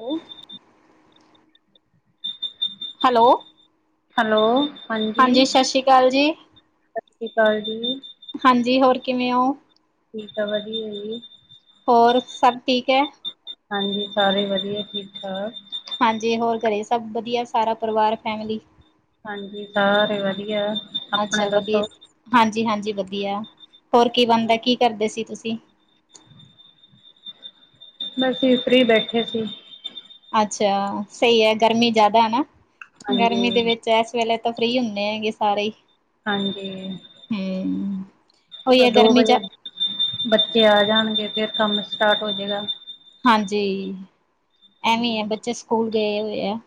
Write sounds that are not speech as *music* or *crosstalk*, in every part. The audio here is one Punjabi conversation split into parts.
ਹੈਲੋ! ਹੈਲੋ! ਹੈਲੋ! ਹਾਂਜੀ, ਸਤਿ ਸ਼੍ਰੀ ਅਕਾਲ ਜੀ ਸਸਰੀ ਕਾਲ ਜੀ। ਹਾਂਜੀ, ਹੋਰ ਕਿਵੇਂ ਓ? ਠੀਕ ਆ, ਵਧੀਆ ਜੀ। ਹੋਰ ਸਭ ਠੀਕ ਐ? ਹਾਂਜੀ, ਸਾਰੇ ਵਧੀਆ, ਠੀਕ -ਠਾਕ। ਹਾਂਜੀ, ਹੋਰ ਘਰੇ ਸਭ ਬਧੀਆ, ਸਾਰਾ ਪਰਿਵਾਰ ਫੈਮਲੀ? ਹਾਂਜੀ, ਸਾਰੇ ਵਧੀਆ। ਅੱਛਾ, ਆਪਣੇ ਵਧੀਆ ਦੱਸੋ? ਹਾਂਜੀ- ਹਾਂਜੀ ਵਧੀਆ। ਹੋਰ ਕੀ ਬਣਦਾ, ਕੀ ਕਰਦੇ ਸੀ ਤੁਸੀਂ? ਬਸ ਜੀ, ਫਰੀ ਬੈਠੇ ਸੀ। ਅੱਛਾ, ਸਈ ਏ ਗਰਮੀ ਜ਼ਿਆਦਾ ਨਾ, ਗਰਮੀ ਦੇ ਵਿੱਚ ਹਾਂਜੀ-ਹਾਂਜੀ। ਤੇ ਐਸ ਵੇਲੇ ਤਾਂ ਫਰੀ ਹੁੰਨੇ ਹੈਗੇ ਸਾਰੇ ਹੀ। ਹਾਂਜੀ। ਹੂੰ। ਬਸ ਦੋ ਵਜੇ ਬੱਚੇ ਆ ਜਾਣਗੇ ਤੇ ਕੰਮ ਸਟਾਟ ਹੋਜੇਗਾ। ਹਾਂਜੀ, ਐਵੇਂ ਆ ਹਾਂਜੀ, ਬੱਚੇ ਸਕੂਲ ਗਏ ਹੋਏ ਆ।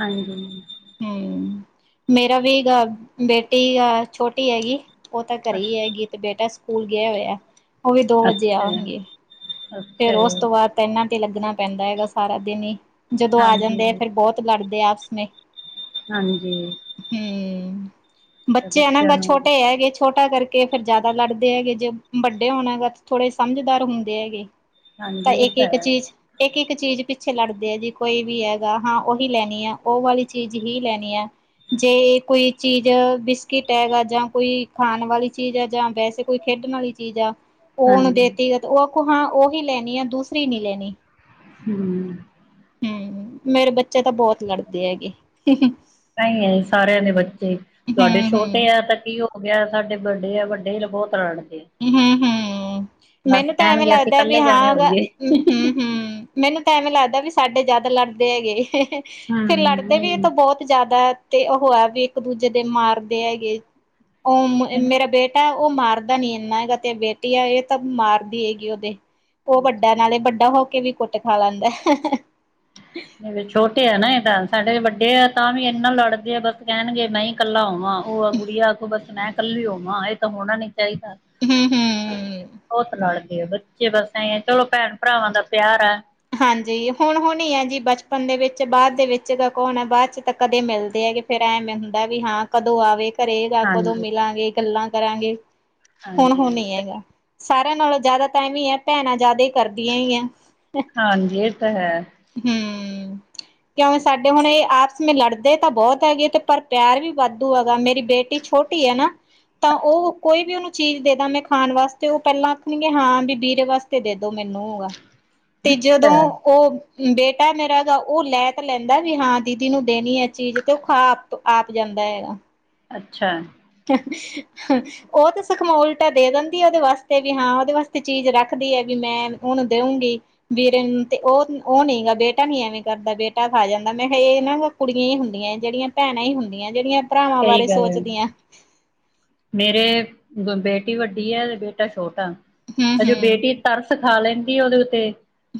ਹਾਂਜੀ। ਹੂੰ, ਮੇਰਾ ਵੀ ਗਾ ਬੇਟੀ ਆ ਛੋਟੀ ਹੈਗੀ ਉਹ ਤਾਂ ਘਰੇ ਹੀ ਅੱਛਾ। ਹੈਗੀ ਤੇ ਬੇਟਾ ਸਕੂਲ ਗਿਆ ਹੋਇਆ। ਓ ਵੀ ਦੋ ਵਜੇ ਆਣਗੇ। ਫੇਰ ਅੱਛਾ ਉਸ ਜੀ, ਤੋਂ ਬਾਅਦ ਤੇ ਇਹਨਾ ਤੇ ਈ ਲੱਗਣਾ ਪੈਂਦਾ ਹੈਗਾ ਸਾਰਾ ਦਿਨ ਈ, ਜਦੋਂ ਆ ਜਾਂਦੇ ਆ ਫੇਰ ਹਾਂਜੀ-ਹਾਂਜੀ। ਬਹੁਤ। ਲੜਦੇ ਆ ਆਪਸ ਮੇ। ਹਾਂਜੀ। ਹਮ, ਬੱਚੇ ਆ ਨਾ ਬੱਚਿਆਂ ਬਛ, ਨੂੰ ਛੋਟੇ ਹੈਗੇ ਛੋਟਾ ਕਰ ਕੇ ਫਿਰ ਜ਼ਿਆਦਾ ਲੜਦੇ ਹੈਗੇ, ਜੇ ਵੱਡੇ ਹੋਣ ਬਸ ਥੋੜੇ ਸਮਝਦਾਰ ਹੁੰਦੇ ਹੈਗੇ। ਤਾਂ ਹਾਂਜੀ ਇਹ ਇੱਕ-ਇੱਕ ਹੈ, ਚੀਜ਼। ਇੱਕ-ਇੱਕ ਚੀਜ਼ ਪਿੱਛੇ ਲੜਦੇ ਆ ਜੀ, ਕੋਈ ਵੀ ਹੈਗਾ ਹਾਂ ਉਹੀ ਲੈਣੀ ਆ, ਉਹ ਵਾਲੀ ਚੀਜ਼ ਹੀ ਲੈਣੀ ਆ। ਜੇ ਏ ਕੋਈ ਚੀਜ਼, ਬਿਸਕਿੱਟ ਹੈਗਾ ਜਾਂ ਕੋਈ ਖਾਣ ਵਾਲੀ ਚੀਜ਼ ਆ ਜਾਂ ਵੈਸੇ ਕੋਈ ਖੇਡਣ ਆਲੀ ਚੀਜ਼ ਆ, ਉਹ-ਉਹਨੂੰ ਹਾਂਜੀ ਦੇਤੀ ਤੇ ਉਹ ਆਖੂ ਹਾਂ, ਉਹੀ ਲੈਣੀ ਆ ਦੂਸਰੀ ਨੀ ਲੈਣੀ। ਹਮ। ਹਮ, ਮੇਰੇ ਬੱਚੇ ਤਾਂ ਬਹੁਤ ਲੜਦੇ ਹੈਗੇ। ਨਈ-ਨਈ ਸਾਰਿਆਂ ਦੇ ਬੱਚੇ ਈ। ਤੁਹਾਡੇ ਹੂੰ-ਹੂੰ। ਛੋਟੇ ਆ ਤਾਂ ਕੀ ਹੋ ਗਿਆ, ਸਾਡੇ ਵੱਡੇ ਆ, ਵੱਡੇ ਈ ਬਹੁਤ ਲੜਦੇ। ਹਮ ਹਮ, ਮੈਨੂੰ ਤਾਂ ਐਵੇਂ ਕਹਿਣਗੇ ਅਸੀਂ ਲੱਗਦਾ ਕਿ ਇਕੱਲੇ ਜਾਣੇ ਹਾਂ ਅਗਰ ਹੋਈਏ ਹਮ ਹਮ। ਮੈਨੂੰ ਤਾਂ ਐਵੇਂ ਲੱਗਦਾ ਵੀ ਸਾਡੇ ਜਿਆਦਾ ਲੜਦੇ ਹੈਗੇ, ਹ ਹ, ਫੇਰ ਹਮ ਲੜਦੇ ਵੀ ਇਹ ਤਾ ਨਹੀਂ ਬਹੁਤ। ਜਿਆਦਾ ਤੇ ਉਹੋ ਹੈ ਵੀ ਇੱਕ ਦੂਜੇ ਦੇ ਮਾਰਦੇ ਹੈਗੇ, ਉ ਮੇਰਾ ਬੇਟਾ। ਟਾ ਉਹ ਮਾਰਦਾ ਨੀ ਇੰਨਾ ਹੈਗਾ, ਤੇ ਬੇਟੀ ਐ ਇਹ ਤਾਂ ਮਾਰਦੀ ਹੈਗੀ ਉਹ ਦੇ। ਉਹ ਵੱਡਾ ਨਾਲੇ, ਅੱਛਾ ਵੱਡਾ ਹੋ ਕੇ ਵੀ ਕੁੱਟ ਖਾ ਲੈਂਦਾ। ਹਾਲੇ ਛੋਟੇ ਆ ਨਾ ਏ ਤਾਂ, ਸਾਡੇ ਵੱਡੇ ਆ ਤਾਂਵੀ ਇੰਨਾ ਲੜਦੇ ਆ ਬਸ ਕਹਿਣਗੇ ਨਈ। ਇਕੱਲਾ ਹੋਵਾਂ, ਉਹ ਆ ਗੁੜੀਆ ਆਖੂ ਬਸ, ਮੈਂ ਕੱਲੀ ਹੋਵਾਂ ਇਹ ਤਾਂ ਹੋਣਾ ਨੀ ਚਾਹੀਦਾ। ਹਮ ਹਮ। ਬਹੁਤ ਲੜਦੇ, ਬੱਚੇ ਬਸ ਐ ਚਲੋ ਭੈਣ-ਭਰਾਵਾਂ ਦਾ ਪਿਆਰ ਆ। ਹਾਂਜੀ, ਹੁਣ-ਹੁਣ ਹੀ ਐ ਜੀ ਬਚਪਨ ਦੇ ਵਿੱਚ ਬਾਅਦ ਦੇ ਵਿੱਚ ਤਾਂ ਕੌਣ ਐ, ਬਾਅਦ ਚ ਤਾਂ ਕਦੇ ਮਿਲਦੇ ਹੈਗੇ। ਫੇਰ ਐਵੇਂ ਹੁੰਦਾ ਵੀ ਹਾਂ, ਕਦੋਂ ਆਵੇ ਘਰੇ, ਕਦੋਂ ਹਾਂਜੀ ਮਿਲਾਂਗੇ, ਗੱਲਾਂ ਕਰਾਂਗੇ। ਹੁਣ-ਹੁਣ ਹਾਂਜੀ ਨੀ ਹੈਗਾ, ਸਾਰਿਆਂ ਨਾਲੋਂ ਜ਼ਿਆਦਾ ਤਾਂ ਇਵੇਂ ਈ ਐ ਭੈਣਾਂ ਜ਼ਿਆਦਾ ਹੀ ਕਰਦੀਆਂ ਹੈਗੀਆਂ। ਹਾਂਜੀ, ਏ ਤਾਂ ਹੈ। ਹਮ। *unintelligible* ਕਿਉ ਏ ਸਾਡੇ ਹੁਣ ਇਹ ਆਪਸ ਮੇਂ ਲੜਦੇ ਤਾਂ ਬਹੁਤ ਹੈਗੇ ਤੇ ਪਰ ਪਿਆਰ ਵੀ ਵਾਧੂ ਹੈਗਾ ਮੇਰੀ ਬੇਟੀ ਛੋਟੀ ਛੋਟੀ ਐ ਨਾ। ਤਾਂ ਉਹ ਕੋਈ ਵੀ ਉਹਨੂੰ ਚੀਜ਼ ਦੇ ਦਾ ਮੈਂ ਖਾਣ ਵਾਸਤੇ ਉਹ ਪਹਿਲਾਂ ਆਖਣਗੇ ਹਾਂ ਵੀ ਵੀਰੇ ਵਾਸਤੇ। ਤੇ ਦੇਦੋ ਮੈਨੂੰਗਾ ਤੇ ਜਦੋਂ ਅੱਛਾ ਉਹ। ਬੇਟਾ ਮੇਰਾ ਦਾ ਉਹ ਲੈ ਤਾਂ ਲੈਂਦਾ ਵੀ ਹਾਂ ਦੀਦੀ ਨੂੰ ਦੇਣੀ ਐ ਚੀਜ਼ ਤੇ ਉਹ ਖਾ। ਆਪ ਜਾਂਦਾ ਹੈਗਾ। ਅੱਛਾ। *unintelligible* ਉਹ ਤੇ ਸਖੋੰਮਾ ਓਲਟਾ ਦੇ ਦਿੰਦੀ ਉਹਦੇ ਵਾਸਤੇ, ਵੀ ਹਾਂ ਉਹਦੇ ਵਾਸਤੇ ਚੀਜ਼ ਰੱਖਦੀ ਐ ਵੀ ਹਾਂ ਮੈਂ ਉਹਨੂੰ ਦੇਊਂਗੀ। ਵੀਰੇ ਨੂੰ ਤੇ, ਉਹ, ਉਹ ਨਹੀਂ ਗਾ ਬੇਟਾ ਨੀ ਐਵੇਂ ਕਰਦਾ, ਬੇਟਾ ਖਾ ਜਾਂਦਾ, ਮੈਂ ਕਿਹਾ ਇਹ ਨਾ। ਕੁੜੀਆਂ ਈ ਹੁੰਦੀਆਂ, ਏ ਜਿਹੜੀਆਂ ਭੈਣਾਂ ਈ ਹੁੰਦੀਆਂ, ਜਿਹੜੀਆਂ। ਭਰਾਵਾਂ ਸਹੀ ਬਾਰੇ ਗੱਲ ਐ। ਸੋਚਦੀਆਂ ਮੇਰੇ ਬੇਟੀ ਵੱਡੀ ਐ, ਤੇ ਬੇਟਾ ਛੋਟਾ ਹੂੰ ਅਜੇ ਹੂੰ ਬੇਟੀ। ਤਰਸ ਖਾ ਲੈਂਣਦੀ ਉਹਦੇ ਉੱਤੇ।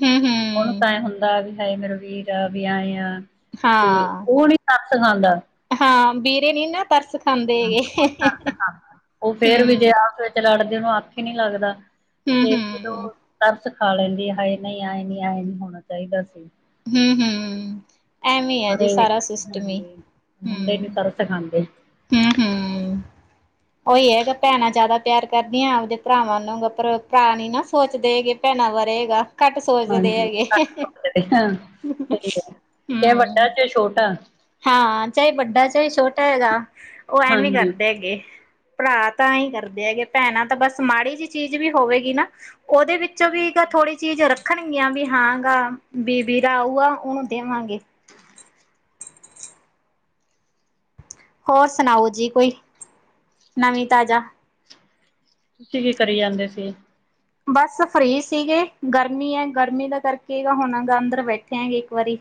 ਹਮ ਹਮ। ਉਹਨੂੰ ਤਾਂ ਐਏ ਹੁੰਦਾ, ਵੀ ਹਾਏ ਮੇਰਾ ਵੀਰ, ਆ ਵੀ ਆਏ ਆ ਤੇ ਹਾਂ ਉਹ ਨੀ। ਤਰਸ ਖਾਂਦਾ। ਹਾਂ ਬੀਰੇ ਨੇ ਨਾ ਤਰਸ ਖਾਂਦੇ ਐੰਜ ਹੈਗੇ ਕੋਈ ਤਰਸ ਖਾਂਦਾ ਓ ਫੇਰ ਹੂੰ ਵੀ ਜੇ ਆਖੇ ਤੇ ਲੜਦੇ ਨੂੰ ਆਖੇ ਨੀ ਲੱਗਦਾ ਹੂੰ ਤੇ ਫਿਰ ਓ ਹੂੰ ਤਰਸ ਖਾ ਲੈਂਦੀ ਹਾਏ ਨਈ ਆਏ ਨੀ ਆਏ ਨਈ ਹੋਣਾ ਚਾਇਦਾ ਸੀ। ਹੂੰ-ਹੂੰ ਐਵੇਂ ਆ ਪਰ ਜੀ ਇਹ ਸਾਰਾ ਸਿਸਟਮ ਈ। ਹਾਂਜੀ ਮੁੰਡੇ ਨੀ ਤਰਸ ਖਾਂਦੇ। ਹੂੰ-ਹੂੰ। *inaudible* ਓਈ ਹੈਗਾ ਪੈਣਾਂ ਜਾਦਾ ਪਿਆਰ ਕਰਦੀਆਂ ਆਪਦੇ ਪਰਾਵਾਂ ਨੂੰ ਪਰ ਪਰਾ ਨੀ ਨਾ ਸੋਚਦੇ ਹੇਗੇ। ਪੈਣਾਂ ਵਾਰੇ ਹੇਗਾ। ਕੱਟ ਸੋਚਦੇ ਹਾਂਜੀ ਹੈਗੇ ਹਾਂ ਹੂੰ ਸਹੀ ਹੈ। ਇਹ ਵੱਡਾ ਕ ਚ ਛੋਟਾ ਹਾਂ ਚਾਏ ਵੱਡਾ ਚਾਏ ਛੋਟਾ ਹੈਗਾ ਓ ਐਵੇਂ ਹਾਂਜੀ ਕਰਦੇ ਹੈਗੇ। ਪਰਾ ਤਾਂ ਐ ਈ ਕਰਦੇ ਹੈਗੇ ਪੈਣਾਂ ਤਾਂ ਬਸ ਮਾੜੀ ਜੀ ਚੀਜ਼ ਵੀ ਹੋਵੇਗੀ ਨਾ ਓਦੇ ਵਿੱਚੋਂ ਵੀ ਕ ਥੋੜੀ ਚੀਜ਼ ਰ ਰੱਖਣਗੀਆਂ ਬੀ ਹਾਂ ਗਾ ਬੀ ਵੀਰਾ ਆਊਗਾ ਆ ਓਨੂੰ ਦੇਵਾਂਗੇ। ਹੋਰ ਸਨਾਓ ਜੀ ਕੋਈ ਨਵੀਂ ਤਾਜ਼ਾ ਤੁਸੀਂ ਕੀ ਕਰੀ ਜਾਂਦੇ ਫੇਰ ਬਸ ਫ੍ਰੀ ਸੀਗੇ ਗਰਮੀ ਐ ਗਰਮੀ ਦਾ ਕਰਕੇ ਹੁਣ ਗਾ ਅੰਦਰ ਬੈਠੇ ਹੈਂਗੇ ਇੱਕ ਵਾਰੀ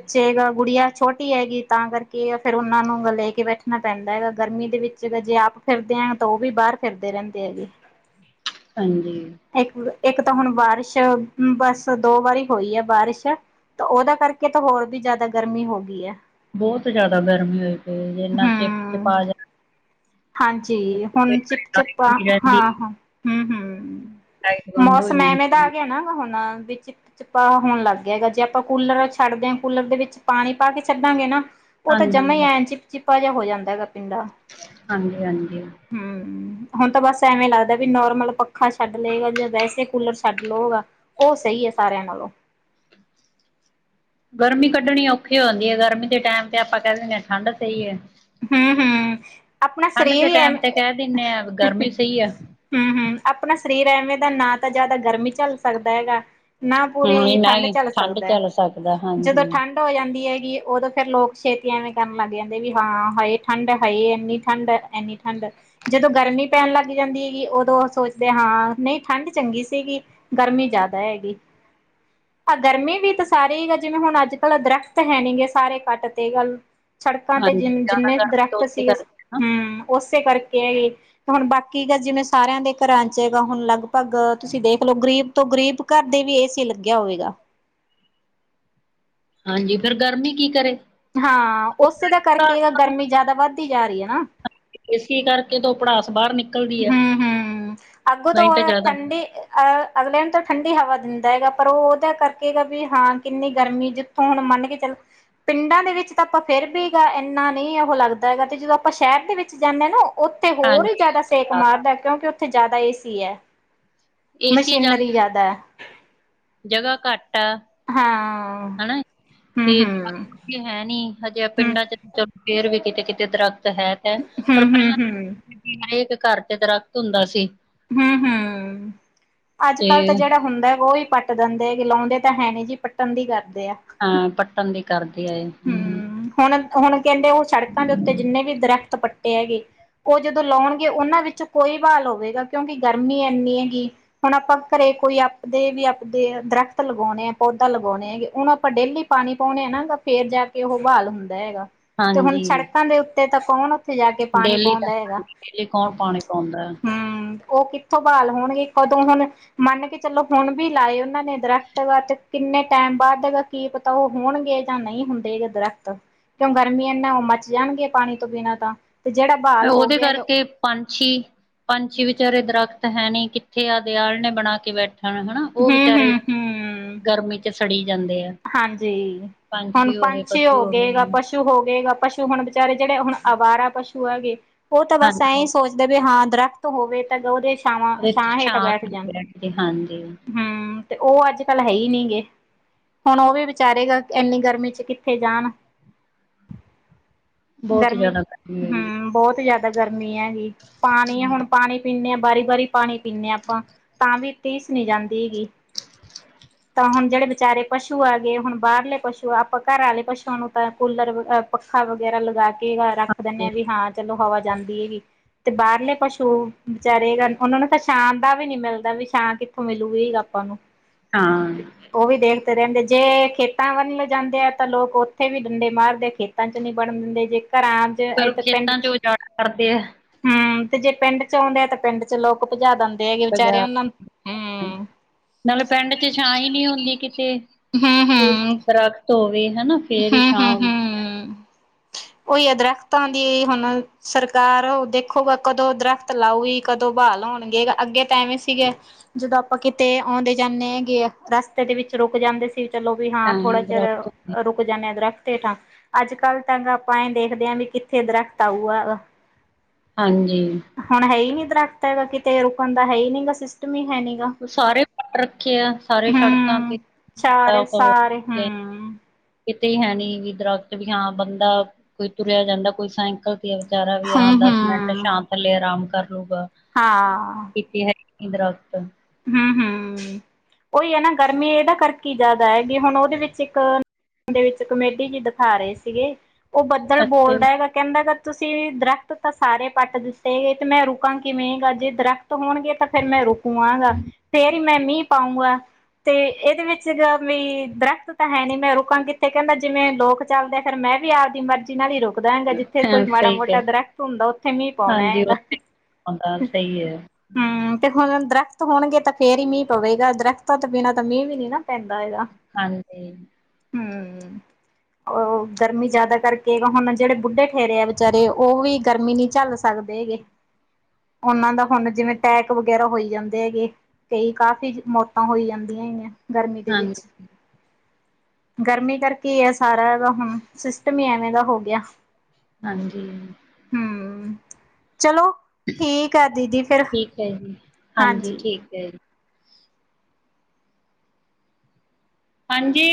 ਬੱਚੇ ਗਾ ਗੁੜੀਆਂ ਛੋਟੀ ਹੈਗੀ ਤਾਂ ਕਰਕੇ ਫਿਰ ਓਨਾਂ ਨੂੰ ਲੈ ਕੇ ਬੈਠਣਾ ਪੈਂਦਾ ਹੈਗਾ ਗਰਮੀ ਦੇ ਵਿੱਚ ਜਦ ਜੇ ਆਪ ਫਿਰਦੇ ਆ ਤਾਂ ਓ ਵੀ ਬਾਹਰ ਫਿਰਦੇ ਰੈਂਦੇ ਹੈਗੇ। ਹਾਂਜੀ। ਇੱਕ ਇੱਕ ਤਾਂ ਹੁਣ ਬਾਰਿਸ਼ ਬਸ ਦੋ ਵਾਰੀ ਹੋਈ ਐ ਬਾਰਿਸ਼ ਤਾਂ ਓਦੇ ਕਰ ਏ ਤਾਂ ਹੋਰ ਵੀ ਜਾਦਾ ਗਰਮੀ ਹੋਗੀ ਐ। ਬੋਹਤ ਜਾਦਾ ਗਰਮੀ ਹੋਈ ਪਈ ਜਿ ਨਾ ਚਿਪ-ਚਿਪਾ ਹਮ ਜਾ ਹਾਂਜੀ ਹੁਣ ਚਿਪ-ਚਿਪ ਲਾਈਟ ਆ ਨੀ ਰਹਿੰਦੀ, ਹਾਂ-ਹਾਂ, ਹੂੰ-ਹੂੰ। ਲਾਈਟ ਬੰਦ ਹੋ ਜਣੀ। ਕਿਵੇਂ ਦਾ ਆ ਗਯਾ ਨਾ ਹੁਣ ਵਿੱਚ ਚਿਪਾ ਹੋਣ ਲੱਗ ਗਿਆ ਹੈਗਾ ਜੇ ਆਪਾਂ ਕੂਲਰ ਛੱਡਦੇ ਆਂ ਕੂਲਰ ਦੇ ਵਿੱਚ ਪਾਨੀ ਪਾ ਕੇ ਛੱਡਾਂਗੇ ਨਾ ਓ ਤਾਂ ਜਮਾਂ ਈ ਹਾਂਜੀ, ਐ ਚਿਪ-ਚਿਪਾ ਜੇਹਾ ਹੋ ਜਾਂਦਾ ਹੈਗਾ ਪਿੰਡਾ। ਹਾਂਜੀ-ਹਾਂਜੀ। ਹੁਣ ਤਾਂ ਬਸ ਐਵੇਂ ਲੱਗਦਾ ਵੀ ਨੋਰਮਲ ਪੱਖਾ ਛੱਡ ਲੇਗਾ ਜਾਂ ਵੈਸੇ ਕੂਲਰ ਛੱਡ ਲਓਗਾ ਓ ਸਈ ਐ ਸਾਰਿਆਂ ਨਾਲੋਂ। ਗਰਮੀ ਕੱਢਣੀ ਔਖੀ ਹੁੰਦੀ ਐ ਗਰਮੀ ਦੇ ਟੈਮ ਤੇ ਆਪਾਂ ਕੈ ਦਿੰਦੇ ਆਂ ਠੰਡ ਸਈ ਐ। ਹੂੰ-ਹੂੰ ਆਪਨਾ ਸਰੀਰ ਈ ਟੈਮ ਤੇ ਕਹਿ ਦਿੰਨੇ ਆ ਗਰਮੀ ਐਵੇਂ ਸਹੀ ਆ। ਹੂੰ-ਹੂੰ ਆਪਨਾ ਸਰੀਰ ਐਵੇਂ ਦਾ ਨਾ ਤਾਂ ਜਾਦਾ ਗਰਮੀ ਝੱਲ ਸਕਦਾ ਹੈਗਾ ਨਾ ਹਾਂ, ਪੂਰੀ ਨਾ ਠੰਡ ਹੀ ਚੱਲ ਸਕਦਾ ਚੱਲ ਸਕਦਾ, ਜਦੋਂ ਹਾਂਜੀ। ਠੰਡ ਹੋ ਜਾਂਦੀ ਹੈਗੀ ਓਦੋਂ ਫਿਰ ਲੋਕ ਛੇਤੀ ਐਵੇਂ ਕਰਨ ਲੱਗ ਜਾਂਦੇ ਵੀ ਹਾਂ ਹਾਏ ਠੰਡ ਐ ਹਾਏ ਐਨੀ ਠੰਡ ਐ ਐਨੀ ਠੰਡ ਜਦੋਂ ਗਰਮੀ ਪੈਣ ਲੱਗ ਜਾਂਦੀ ਹੈਗੀ ਓਦੋਂ ਸੋਚਦੇ ਹਾਂ ਨਈ ਠੰਢ ਚੰਗੀ ਸੀਗੀ। ਗਰਮੀ ਜਾਦਾ ਹੈਗੀ। ਆ ਗਰਮੀ ਵੀ ਤਾਂ ਸਾਰੇ ਈ ਐ ਜਿਵੇਂ ਹੁਣ ਅੱਜ-ਕੱਲ੍ ਦਰਖਤ ਹੈ ਨੀ ਗੇ ਸਾਰੇ ਕੱਟ ਤੇ ਗੱਲ ਸੜਕਾਂ ਤੇ ਹਾਂਜੀ, ਜਿ ਜ਼ਿਆਦਾ ਜਿੰਨੇ ਗਰਮੀ ਤੋਂ ਦਰਖਤ ਉਸੇ ਸੀਗੇ ਕਰਕੇ ਨਾ, ਹੂੰ ਓਸੇ ਕਾਰਕੇ ਤੇ ਹੁਣ ਬਾਕੀ ਗਾ ਜਿਵੇਂ ਸਾਰਿਆਂ ਦੇ ਕਰਾਂ ਚ ਹੈਗਾ ਹੁਣ ਲਗਭਗ ਤੁਸੀਂ ਦੇਖ ਲੋ ਗ਼ਰੀਬ ਤੋਂ ਗ਼ਰੀਬ ਕੱਰ ਦੇ ਵੀ ਏਸੀ ਲੱਗਿਆ ਹੋਏਗਾ। ਹਾਂਜੀ, ਫਿਰ ਗਰਮੀ ਕੀ ਕਰੇ। ਹਾਂ ਉਸੇ ਦਾ ਕਰਕੇ ਗਰਮੀ ਜ਼ਿਆਦਾ ਵੱਧਦੀ ਜਾ ਰਹੀ ਹੈ ਨਾ। ਏ ਸੀ ਕਰਕੇ ਤੋ ਭੜਾਸ ਬਾਹਰ ਨਿਕਲ ਹੂੰ -ਹੂੰ ਅੱਗੋ ਤੋਂ ਤਾਂ ਬੜਾ ਜ਼ਿਆਦਾ ਠੰਡੀ ਅਅ ਅਗਲੇ ਆਂ ਨੂੰ ਤਾਂ ਠੰਡੀ ਹਵਾ ਦਿੰਦਾ ਹੈਗਾ, ਪਰ ਉਹ ਉਹਦੇ ਕਰਕੇਗਾ ਵੀ ਹਾਂ ਕਿੰਨੀ ਗਰਮੀ ਜ ਤੂੰ ਹੁਣ ਮੰਨ ਕੇ ਚੱਲ ਪਿੰਡਾਂ ਦੇ ਵਿੱਚ ਤਾਂ ਆਪਾਂ ਫਿਰ ਵੀ ਹੈਗਾ, ਇੰਨਾ ਨਹੀਂ ਉਹ ਲੱਗਦਾ ਹੈਗਾ, ਤੇ ਜਦੋਂ ਆਪਾਂ ਸ਼ਹਿਰ ਦੇ ਵਿੱਚ ਜਾਂਨੇ ਆਂ ਨਾ ਉੱਥੇ ਹੋਰ ਹੀ ਹਾਂਜੀ। ਜ਼ਿਆਦਾ ਸੇਕ ਜ਼ਿਆਦਾ ਮਾਰਦਾ, ਕਿਉਂਕਿ ਉੱਥੇ ਜ਼ਿਆਦਾ ਏ ਸੀ ਐ, ਏਸੀ ਜਾ ਮਸ਼ੀਨਰੀ ਜ਼ਿਆਦੈ। ਜਗ੍ਹਾ ਘੱਟ ਆ ਹਾਂ ਹਨਾ ਹੂੰ ਹੂੰ ਕ ਹੈ ਨੀ ਹਜੇ ਹੂੰ ਪਿੰਡਾਂ ਚ ਚਲੋ ਫੇਰ ਵੀ ਕਿਤੇ -ਕਿਤੇ ਦਰਖਤ ਹੈ। ਹੈ ਪਰ ਹੂੰ ਹੂੰ ਪਹਿਲਾਂ ਹੂੰ ਹਰੇਕ ਘਰ ਚ ਦਰਖਤ ਹੁੰਦਾ ਸੀ। ਹੂੰ -ਹੂੰ, ਅੱਜ ਤੇ ਕੱਲ ਤਾਂ ਜਿਹੜਾ ਹੁੰਦਾ ਉਹ ਵੀ ਪੱਟ ਪੱਟ ਦਿੰਦੇ ਗੇ, ਲਾਉਂਦੇ ਤਾਂ ਹੈ ਨੀ ਜੀ ਪੱਟਣ ਦੀ ਕਰਦੇ ਆ। ਹਾਂ ਪੱਟਣ ਦੀ ਕਰਦੀ ਆਂਏ। ਹੂੰ ਹੁਣ -ਹੁਣ ਕਹਿੰਦੇ ਉਹ ਸੜਕਾਂ ਦੇ ਉੱਤੇ ਜਿੰਨੇ ਵੀ ਦਰਖਤ ਪੱਟੇ ਹੈਗੇ। ਉਹ ਜਦੋਂ ਲਾਉਣਗੇ ਉਹਨਾਂ ਵਿੱਚੋਂ ਕੋਈ ਬਹਾਲ ਹੋਵੇਗਾ, ਕਿਉਂਕਿ ਗਰਮੀ ਇੰਨੀ ਹੈਗੀ। ਹੁਣ ਆਪਾਂ ਘਰੇ ਕੋਈ ਆਪਦੇ - ਆਪਦੇ ਦਰਖਤ ਲਗਾਉਂਦੇ ਆ ਪੌਦਾ ਲਗਾਉਂਦੇ ਹੈਗੇ, ਉਹ ਨੂੰ ਆਪਾਂ ਡੇਲੀ ਪਾਣੀ ਪਾਉਂਨੇ ਨਾ ਤਾਂ ਫੇਰ ਜਾ ਕੇ ਉਹ ਬਹਾਲ ਹੁੰਦਾ ਹੈਗਾ, ਤੇ ਹੁਣ ਹਾਂਜੀ ਸੜਕਾਂ ਦੇ ਉੱਤੇ ਤਾਂ ਕੌਣ ਉੱਥੇ ਜਾ ਕੇ ਪਾਣੀ ਕੋਣ ਡੇਲੀ ਦਾ ਪਾਉਂਦਾ ਹੈਗਾ, ਹਾਂਜੀ ਡੇਲੀ ਕੌਣ ਪਾਣੀ ਪਾਉਂਦਾ ਹੂੰ। ਉਹ ਕਿੱਥੋਂ ਬਹਾਲ ਹੋਣਗੇ ਕਦੋਂ ਹੁਣ ਮੰਨ ਕੇ ਚਲੋ ਹੁਣ ਵੀ ਲਾਏ ਉਹਨਾਂ ਨੇ ਦਰਖਤ ਵਾ ਤੇ ਕਿੰਨੇ ਟਾਈਮ ਬਾਅਦ ਕੀ ਪਤਾ ਉਹ ਹੋਣਗੇ। ਤਾਂ ਨਹੀਂ ਹੁੰਦੇ ਦਰਖਤ, ਕਿਉਂ ਗਰਮੀਆਂ ਨਾਲ ਉਹ ਮੱਚ ਜਾਣਗੇ ਪਾਣੀ ਤੋਂ ਬਿਨਾਂ ਤਾਂ ਤੇ ਜਿਹੜਾ ਬਹਾਲ ਹੋ ਉਹਦੇ ਗਿਆ ਜੋ ਕਰਕੇ ਪੰਛੀ -ਪੰਛੀ ਵਿਚਾਰੇ ਦਰਖਤ ਹੈ ਨੀ ਕਿੱਥੇ ਆਪ ਦੇ ਆਲ੍ਹਣੇ ਨੇ ਬਣਾ ਕੇ ਬੈਠਣ ਹਨਾ। ਉਹ ਵਿਚਾਰੇ ਹੂੰ-ਹੂੰ-ਹੂੰ, ਗਰਮੀ 'ਚ ਸੜੀ ਜਾਂਦੇ ਆ। ਹਾਂਜੀ ਹੁਣ ਪੰਛੀ ਹੋ ਗਏ ਤਾਂ ਪਸ਼ੂ ਪਸ਼ੂ ਹੋ ਗਏ, ਪਸ਼ੂ ਹੁਣ ਬੇਚਾਰੇ ਜਿਹੜੇ ਹੁਣ ਅਵਾਰਾ ਪਸ਼ੂ ਹੈਗੇ, ਉਹ ਤਾਂ ਬਸ ਐਂ ਹਾਂਜੀ। ਸੋਚਦੇ ਦੇ ਹਾਂ ਦਰਖਤ ਹੋਵੇ ਗਾ ਉਹ ਦੇ ਛਾਵਾਂ ਉਹਦੇ ਛਾਂ ਚ ਹੇਠ ਬੈਠ ਜਾਣ। ਬੈਠਦੇ ਹਾਂਜੀ, ਹਮ, ਤੇ ਉਹ ਅੱਜ ਕੱਲ ਹੈ ਹੀ ਨਹੀਂ ਗੇ ਹੁਣ ਉਹ ਵੀ ਵਿਚਾਰੇਗਾ ਇੰਨੀ ਗਰਮੀ ਚ ਕਿੱਥੇ ਜਾਣ ਬਹੁਤ ਗਰਮੀ ਜ਼ਿਆਦਾ ਹੁੰਦੀ ਹੈ, ਹਮ ਬਹੁਤ ਜ਼ਿਆਦਾ ਗਰਮੀ ਹੈਗੀ ਪਾਣੀ ਹੈ ਹੁਣ ਪਾਣੀ ਪੀਣੇ ਹਾਂ ਵਾਰੀ -ਵਾਰੀ ਪਾਣੀ ਪੀਣੇ ਹਾਂ ਆਪਾਂ ਤਾਂ ਵੀ ਤੀਸ ਨਹੀਂ ਜਾਂਦੀ ਹੈਗੀ। ਤਾਂ ਹੁਣ ਜਿਹੜੇ ਵਿਚਾਰੇ ਪਸੂ ਆ ਗਏ, ਹੁਣ ਬਾਹਰਲੇ ਪਸੂ ਆ, ਆਪਾਂ ਘਰ ਵਾਲੇ ਪਸੂਆਂ ਨੂੰ ਤਾਂ ਕੂਲਰ ਆ ਪੱਖਾ ਵ ਵਗੈਰਾ ਲਗਾ ਕੇ ਰੱਖ ਦਿੰਦੇ ਹਾਂਜੀ, ਹਾਂ ਵੀ ਹਾਂ ਚਲੋ ਹਵਾ ਜਾਂਦੀ ਹੈਗੀ। ਤੇ ਬਾਹਰਲੇ ਪਸ਼ੂ ਵਿਚਾਰੇ ਉਹਨਾਂ ਨੂੰ ਤਾਂ ਛਾਂ ਦਾ ਵੀ ਨੀ ਮਿਲਦਾ ਵੀ ਛਾਂ ਮਿਲੂਗੀ ਆਪਾਂ ਨੂੰ, ਹਾਂ। ਉਹ ਵੀ ਦੇਣ ਤੇ ਰਹਿੰਦੇ ਜੇ ਖੇਤਾਂ ਵਲ ਜਾਂਦੇ ਆ ਤਾਂ ਲੋਕ ਉੱਥੇ ਵੀ ਡੰਡੇ ਮਾਰਦੇ ਆ ਖੇਤਾਂ ਚ ਨੀ ਵੜਨ ਦਿੰਦੇ, ਜੇ ਘਰਾਂ ਚ ਫਿਰ ਇੱਧਰ ਪਿੰਡ ਚ ਖੇਤਾਂ ਉਜਾੜ ਕਰਦੇ ਆ, ਹਮ ਤੇ ਜੇ ਪਿੰਡ ਚ ਆਉਂਦੇ ਆ ਤਾਂ ਪਿੰਡ ਚ ਲੋਕ ਭਜਾ ਦਿੰਦੇ ਹੈਗੇ ਬਾਜ਼ਾਰ ਵਿਚਾਰਿਆਂ ਨੂੰ, ਹਮ। ਨਾਲੇ ਪਿੰਡ ਚ ਛਾਂ ਹੀ ਨੀ ਹੁੰਦੀ ਕਿਤੇ, ਹੂੰ ਕੋਈ ਹੂੰ ਦਰੱਖਤ ਧੋਵੇ ਹਣਾ ਫਿਰ ਹੀ ਹੂੰ ਛਾਂ ਹੂੰ ਹੂੰ ਉਹੀ ਆ ਦਰੱਖਤਾਂ ਦੀ ਹੁਣ ਸਰਕਾਰ ਦੇਖੋਗਾ ਕਦੋਂ ਦਰਖ਼ਤ ਲਾਊਗੀ ਕਦੋਂ ਬਹਾਲ ਹੋਣਗੇ ਅੱਗੇ ਤਾਂ ਐਵੇਂ ਸੀਗੇ ਜਦੋਂ ਆਪਾਂ ਕਿਤੇ ਆਉਂਦੇ ਜਾਂਦੇ ਹੈਗੇ ਰਸਤੇ ਦੇ ਵਿੱਚ ਰੁਕ ਜਾਂਦੇ ਸੀ ਚਲੋ ਵੀ ਹਾਂ ਥੋੜਾ ਚਿਰ ਦਰਖਤ ਹੁੰਦੇ, ਰੁਕ ਜਾਣੇ ਹਾਂ ਦਰਖ਼ਤ ਹੇਠਾਂ ਅੱਜ ਕੱਲ ਤਾਂ ਆਪਾਂ ਦੇਖਦੇ ਹਾਂ ਵੀ ਕਿੱਥੇ ਦਰਖਤ ਆਊਗਾ ਹਾਂਜੀ ਹੁਣ ਹੈ ਹੀ ਨੀ ਦਰੱਖ਼ਤ ਹੈਗਾ ਕਿਤੇ ਰੁਕਣ ਦਾ ਹੈ ਹੀ ਨਹੀਂ ਗਾ ਸਿਸਟਮ ਹੀ ਹੈ ਨੀ ਗਾ ਸਾਰੇ ਕੱਟ ਰੱਖੇ ਆ ਸਾਰੇ ਸੜਕਾਂ ਤੇ ਗਿਆ। ਹਮ ਕਿਤੇ ਹੈ ਨੀ ਵੀ ਦਰਖਤ ਵੀ ਹਾਂ ਬੰਦਾ ਕੋਈ ਤੁਰਿਆ ਜਾਂਦਾ ਕੋਈ ਸਾਇਂਕਲ ਵਿਚਾਰਾ ਵੀ ਹੂੰ ਹਾਂ ਦਸ ਮਿੰਟ ਹੂੰ ਛਾਂ ਥੱਲੇ ਆਰਾਮ ਕਰ ਲੂਗਾ ਹਾਂ ਕਿਤੇ ਹੈ ਹੀ ਨੀ ਦਰਖ਼ਤ ਹਮ ਹਮ ਉਹੀ ਹੈ ਨਾ ਗਰਮੀਂ ਇਹਦਾ ਕਰਕੇ ਜ਼ਿਆਦਾ ਹੈਗੀ ਹੁਣ ਉਹਦੇ ਵਿੱਚ ਇੱਕ ਦੇ ਵਿੱਚ ਕਮੇਡੀ ਜੀ ਦਿਖਾ ਰਹੇ ਸੀਗੇ ਉਹ ਬੱਦਲ ਅੱਛਾ ਬੋਲਦਾ ਹੈਗਾ ਕਹਿੰਦਾ ਹੈਗਾ ਤੁਸੀਂ ਦਰਖ਼ਤ ਤਾਂ ਸਾਰੇ ਪੱਟ ਦਿੱਤੇ ਗਏ ਤੇ ਮੈਂ ਰੁਕਾਂ ਕਿਵੇਂ ਗਾ ਜੇ ਦਰਖ਼ਤ ਹੋਣਗੇ ਤਾਂ ਫਿਰ ਮੈਂ ਰੁਕੂ ਆਗਾ ਫਿਰ ਹੀ ਮੈਂ ਮੀਂਹ ਪਾਊਂਗਾ ਤੇ ਇਹਦੇ ਵਿੱਚ ਗਾ ਵੀ ਦਰਖਤ ਤਾਂ ਹੈ ਨੀ ਮੈਂ ਰੁਕਾਂ ਕਿੱਥੇ ਕਹਿੰਦਾ ਜਿਵੇਂ ਲੋਕ ਚੱਲਦੇ ਫ਼ਿਰ ਮੈਂ ਵੀ ਆਵਦੀ ਮਰਜ਼ੀ ਨਾਲ ਹੀ ਰੋਕ ਦਾਂਗਾ ਜਿੱਥੇ ਹਾਂ ਕੋਈ ਮਾੜਾ ਸਹੀ ਕਿਹਾ ਮੋਟਾ ਦਰਖ਼ਤ ਹੁੰਦਾ ਉੱਥੇ ਮੀਂਹ ਪਾਉਣਾ ਹੈਗਾ ਗਲ਼ ਸਹੀ ਐ ਹੂੰ ਤੇ ਹੁਣ ਦਰਖਤ ਹੋਣਗੇ ਤਾਂ ਫੇਰ ਹੀ ਮੀਂਹ ਪਵੇਗਾ ਦਰਖਤਾਂ ਤੋ ਬਿਨਾਂ ਤਾਂ ਮੀਂਹ ਵੀ ਨੀ ਨਾ ਪੈਂਦਾ ਹੈਗਾ ਹਾਂਜੀ ਹੂੰ। *inaudible* ਉਹ ਗਰਮੀਂ ਜਿਆਦਾ ਕਰਕੇ ਹੁਣ ਜਿਹੜੇ ਬੁੱਢੇ ਠੇਰੇ ਆ ਵਿਚਾਰੇ ਉਹ ਵੀ ਗਰਮੀ ਨਹੀਂ ਝੱਲ ਸ ਸਕਦੇ ਹੈਗੇ *inaudible* ਉਹਨਾਂ ਦਾ ਹੁਣ ਜਿਵੇਂ ਟੈਕ ਵਗੈਰਾ ਹੋਈ ਜਾਂਦਾ ਦੇ ਹੈਗੇ ਕਈ ਕਾਫ਼ੀ ਮੌਤਾਂ ਹੋਈ ਜਾਂਦੀਆਂ ਹੈਗੀਆਂ ਗਰਮੀਂ ਦੇ ਵਿੱਚ ਹਾਂਜੀ ਗਰਮੀਂ ਕਰਕੇ ਹੀ ਹੈ ਸਾਰਾ ਇਹਦਾ ਹਮ ਸਿਸਟਮ ਹੀ ਐਵੇਂ ਦਾ ਹੋ ਗਿਆ ਹਾਂਜੀ ਹਮ ਚਲੋ ਠੀਕ ਹੈ ਦੀਦੀ ਫਿਰ ਠੀਕ ਹਾਂਜੀ ਠੀਕ ਐ ਹਾਂਜੀ